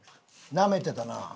なめてたな。